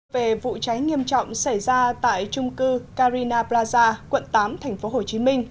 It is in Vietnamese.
về vụ cháy nghiêm trọng xảy ra tại trung cư carina plaza quận tám tp hcm